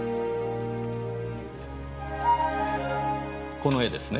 この絵ですね？